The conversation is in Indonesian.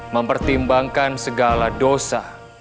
mempertimbangkan segala dosa